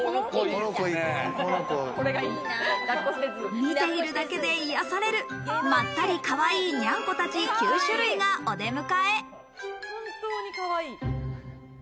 見ているだけで癒される、まったりかわいいニャンコたち９種類がお出迎え。